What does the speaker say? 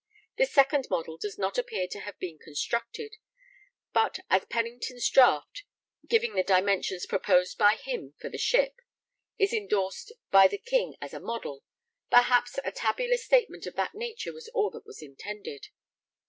This second model does not appear to have been constructed, but as Pennington's draft, giving the dimensions proposed by him for the ship, is endorsed by the King as a 'model,' perhaps a tabular statement of that nature was all that was intended.